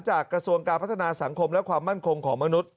กระทรวงการพัฒนาสังคมและความมั่นคงของมนุษย